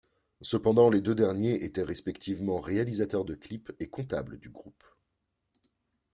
Cependant les deux derniers étaient respectivement réalisateur de clips et comptable du groupe.